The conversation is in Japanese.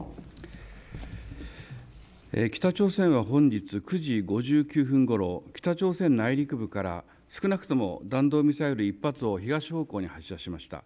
北朝鮮は本日９時５９分ごろ、北朝鮮内陸部から少なくとも弾道ミサイル１発を東方向に発射しました。